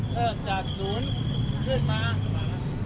เจอจากศูนย์เคลื่อนมา